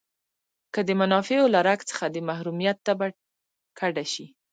که د منافعو له رګ څخه د محرومیت تبه کډه شي.